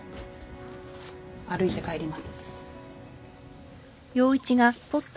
歩いて帰ります。